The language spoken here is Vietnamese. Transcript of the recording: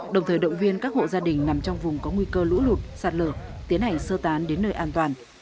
đồng thời động viên các hộ gia đình nằm trong vùng có nguy cơ lũ lụt sạt lở tiến hành sơ tán đến nơi an toàn